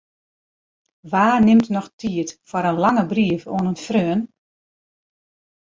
Wa nimt noch tiid foar in lange brief oan in freon?